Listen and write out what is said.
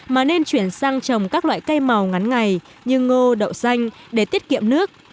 mà nên chuyển sang trồng các loại cây màu ngắn ngày như ngô đậu xanh để tiết kiệm nước